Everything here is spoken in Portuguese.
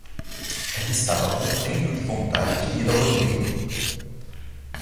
Ela estava morrendo de vontade de ir ao banheiro.